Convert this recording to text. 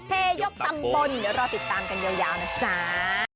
แพ้ยกตำปอนด์แล้วรอดิตตามกันอยู่ยาวหน้าจ้า